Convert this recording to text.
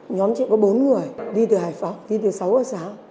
nhóm chị có bốn người đi từ hải phòng đi từ sáu ở sáu